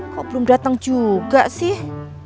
kok belum datang juga sih